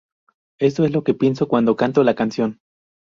Esto es lo que pienso cuando canto la Canción.